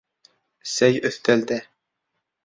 Сәй өҫтәлдә